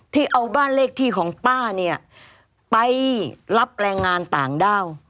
ที่เอาบ้านเลขที่ของป้าเนี่ยไปรับแรงงานต่างด้าว